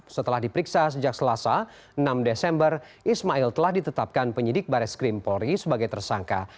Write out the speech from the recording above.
setelah diperiksa sejak selasa enam desember ismail telah ditetapkan penyidik baris krim polri sebagai tersangka